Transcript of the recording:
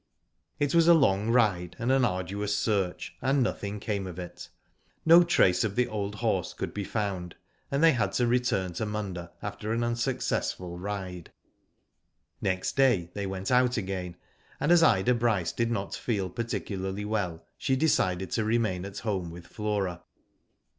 It was a long ride, and an arduous search, and nothing came of it. No trace of the old horse could be found, and they had to return to Munda after an unsuccessful ride. Next day they went out again, and as Ida Bryce did not feel particularly well, she decided to remain at home with Flora.